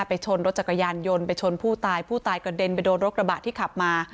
ชนรถจักรยานยนต์ไปชนผู้ตายผู้ตายกระเด็นไปโดนรถกระบะที่ขับมา